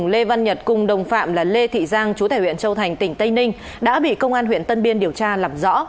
lê văn nhật cùng đồng phạm là lê thị giang chú tại huyện châu thành tỉnh tây ninh đã bị công an huyện tân biên điều tra làm rõ